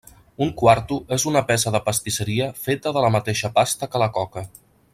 Un quarto és una peça de pastisseria feta de la mateixa pasta que la coca.